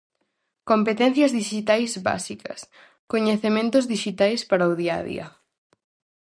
Competencias dixitais básicas: Coñecementos dixitais para o día a día.